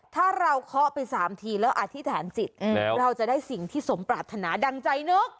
ถ้าเราเคาะไป๓ทีแล้วอธิษฐานจิตเราจะได้สิ่งที่สมปรารถนาดังใจนึก